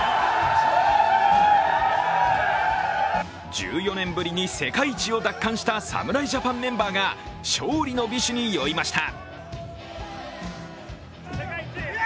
１４年ぶりに世界一を奪還した侍ジャパンメンバーが勝利の美酒に酔いました。